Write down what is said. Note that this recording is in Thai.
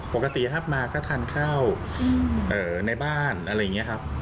ปกติถ้ามาก็ทานข้าวในบ้านอะไรอย่างนี้ครับ